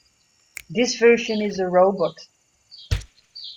This version is a robot.